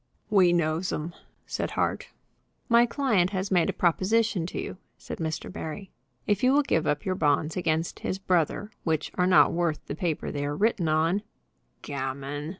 "We knows 'em," said Hart. "My client has made a proposition to you," said Mr. Barry. "If you will give up your bonds against his brother, which are not worth the paper they are written on " "Gammon!"